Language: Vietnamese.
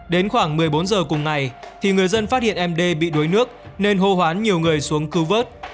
đến khoảng một mươi bốn giờ cùng ngày thì người dân phát hiện em đê bị đuối nước nên hô hoán nhiều người xuống cứu vớt